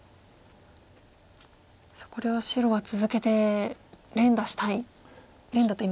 さあこれは白は続けて連打したい。